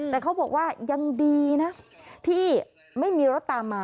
แต่เขาบอกว่ายังดีนะที่ไม่มีรถตามมา